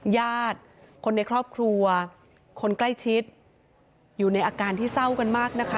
ญาติคนในครอบครัวคนใกล้ชิดอยู่ในอาการที่เศร้ากันมากนะคะ